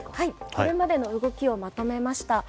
これまでの動きをまとめました。